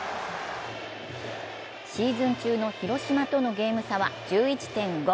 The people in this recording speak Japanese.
シーズン中の広島とのゲーム差は１１．５。